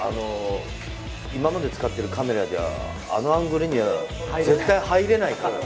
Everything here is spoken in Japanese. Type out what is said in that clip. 今まで使っているカメラじゃ、あのアングルには絶対入れないからね。